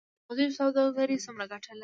د جلغوزیو سوداګري څومره ګټه لري؟